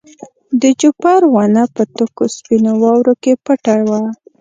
د جوپر ونه په تکو سپینو واورو کې پټه وه.